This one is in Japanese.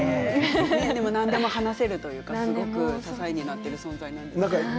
何でも話せるというか支えになってる存在なんですか。